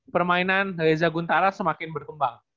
permainan reza guntara semakin berkembang